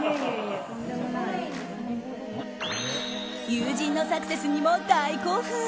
友人のサクセスにも大興奮！